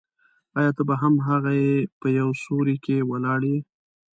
آیا ته به هم هغه یې په یو سیوري کې ولاړ یې.